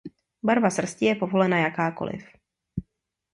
Barva srsti je povolena jakákoliv.